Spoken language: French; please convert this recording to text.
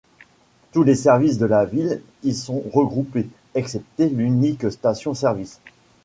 Tous les services de la ville y sont regroupés, excepté l'unique station service.